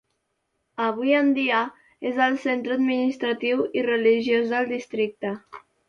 Avui en dia és el centre administratiu i religiós del districte.